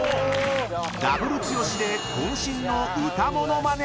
［ダブル剛で渾身の歌ものまね］